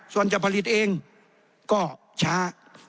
ส่วนจะผลิตเองก็ช้า